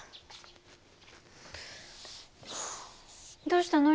どうしたの？